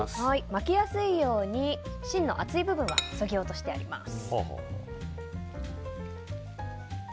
巻きやすいように芯の厚い部分はそぎ落としてあります。